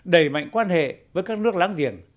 đẩy mạnh quan hệ với các nước láng giềng